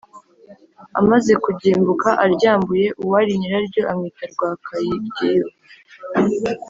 amaze kugimbuka aryambuye uwari nyiraryo amwita rwakageyo.